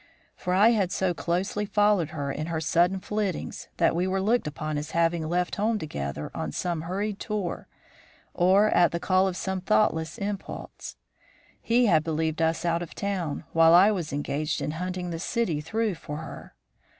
For I had so closely followed her in her sudden flittings that we were looked upon as having left home together on some hurried tour or at the call of some thoughtless impulse. He had believed us out of town, while I was engaged in hunting the city through for her.